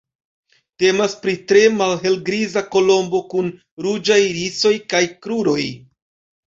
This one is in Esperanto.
Temas pri tre malhelgriza kolombo kun ruĝaj irisoj kaj kruroj.